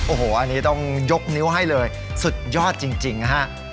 โอ้โหอันนี้ต้องยกนิ้วให้เลยสุดยอดจริงนะฮะ